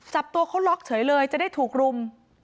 จับตัวเขาล็อกเฉยเลยจะได้ถูกรุม